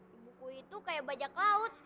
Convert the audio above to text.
ibuku itu kayak bajak laut